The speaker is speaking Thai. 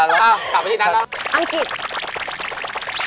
อังกฤษ